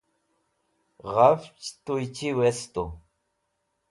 ghafch tuychi westu